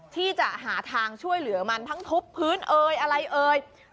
ที่จะหาทางช่วยเหลือมันทั้งทุบพื้นเอ่ยอะไรเอ่ย